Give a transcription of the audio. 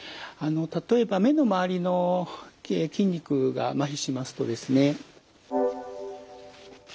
例えば目の周りの筋肉がまひしますとですね。